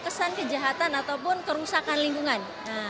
kesan kejahatan ataupun kerusakan lingkungan